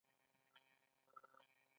د نارنج ګل عطر لري؟